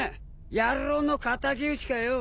野郎の敵討ちかよ。